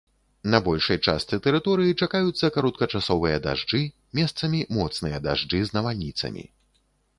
На большай частцы тэрыторыі чакаюцца кароткачасовыя дажджы, месцамі моцныя дажджы з навальніцамі.